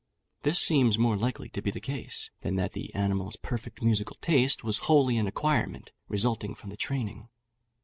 This seems more likely to be the case, than that the animal's perfect musical taste was wholly an acquirement, resulting from the training.